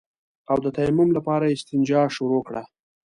او د تيمم لپاره يې استنجا شروع کړه.